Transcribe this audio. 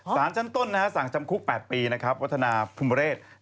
สรรค์จั้นต้นสั่งจำคุก๘ปีวัฒนาพุมเวรต